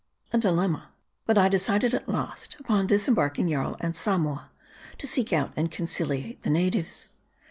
A dilemma. But I decided at last upon disembarking Jarl and Samoa, to seek out and conciliate the natives.